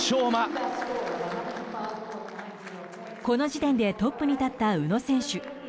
この時点でトップに立った宇野選手。